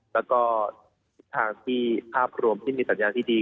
แล้วก็ทิศทางที่ภาพรวมที่มีสัญญาณที่ดี